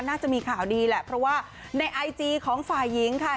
น่าจะมีข่าวดีแหละเพราะว่าในไอจีของฝ่ายหญิงค่ะ